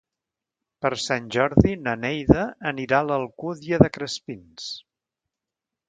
Per Sant Jordi na Neida anirà a l'Alcúdia de Crespins.